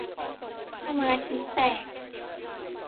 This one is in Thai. สมาธิแตก